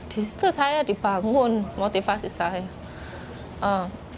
disitu saya dibangun motivasi saya